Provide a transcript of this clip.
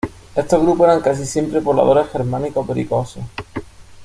Estos grupos eran casi siempre pobladores germánicos belicosos.